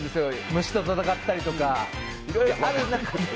虫と戦ったりとか、いろいろある中で。